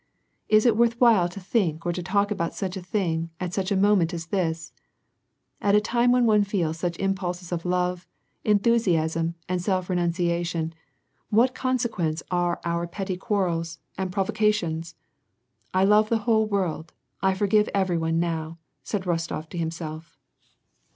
"Is it worth while to think or to talk about such a thing at such a moment as this ? At a time when one feels such impulses of love, enthusiasm, and self re nunciation, what consequence are our petty quarrels and prov WAR AND PEACE. 299 ocations ? I love the whole world, I forgire every one now !" said Kostof to himself.